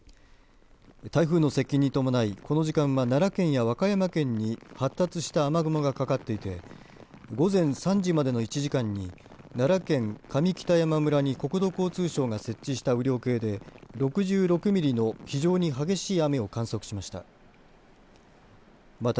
台風の接近に伴いこの時間は奈良県や和歌山県に発達した雨雲がかかっていて午前３時までの１時間に奈良県上北山村に国土交通省が設置した雨量計で６６ミリの非常に激しい雨を観測しました。